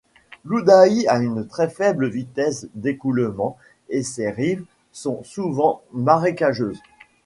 L'Oudaï a une très faible vitesse d'écoulement et ses rives sont souvent marécageuses.